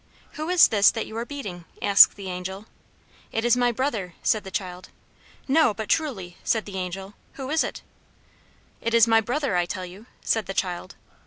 "Who is this that you are beating?" asked the Angel. "It is my brother," said the child. "No, but truly," said the Angel, "who is it?" "It is my brother, I tell you!" said the child.